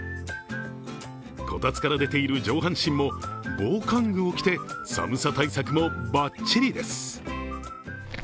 こたつから出ている上半身も防寒具を着て寒さ対策もばっちりです。